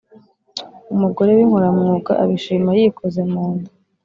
Umugore w’inkoramwuga, abishima yikoze mu nda.